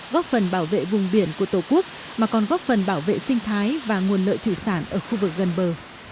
góp phần bảo vệ vùng biển của tổ quốc mà còn góp phần bảo vệ sinh thái và nguồn lợi thủy sản ở khu vực gần bờ